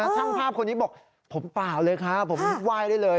ช่างภาพคนนี้บอกผมเปล่าเลยครับผมไหว้ได้เลย